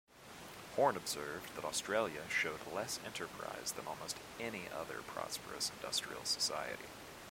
Horne observed that Australia showed less enterprise than almost any other prosperous industrial society.